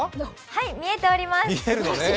はい、見えております。